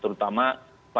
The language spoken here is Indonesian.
terutama para kakak